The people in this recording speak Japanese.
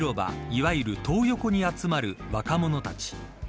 いわゆるトー横に集まる若者たち。